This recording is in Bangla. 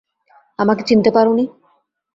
আমাকে চিনতে পারোনি?